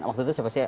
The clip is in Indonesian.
waktu itu siapa sih